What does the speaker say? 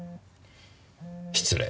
失礼。